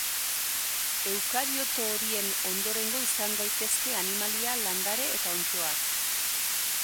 Eukarioto horien ondorengo izan daitezke animalia, landare eta onddoak.